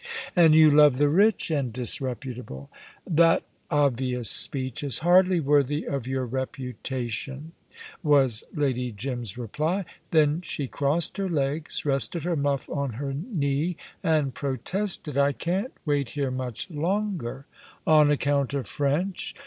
"And you love the rich and disreputable." "That obvious speech is hardly worthy of your reputation," was Lady Jim's reply. Then she crossed her legs, rested her muff on her knee, and protested, "I can't wait here much longer " "On account of French?"